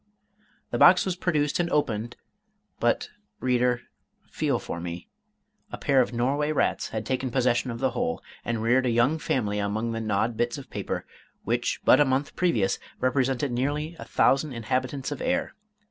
The box was produced and opened; but, reader, feel for me, a pair of Norway rats had taken possession of the whole, and reared a young family among the gnawed bits of paper, which, but a month previous, represented nearly a thousand inhabitants of air!